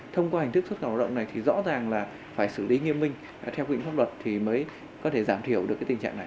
thông qua hình thức xuất khẩu lao động này thì rõ ràng là phải xử lý nghiêm minh theo quy định pháp luật thì mới có thể giảm thiểu được cái tình trạng này